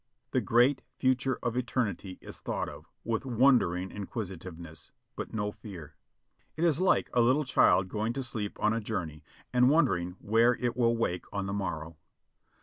The great future of Eternity is thought of with wondering inquisitiveness, but no fear. It is like a little child going to sleep on a journey and wondering where it will wake on the morrow.